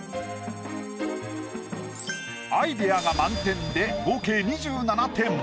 アイデアが満点で合計２７点。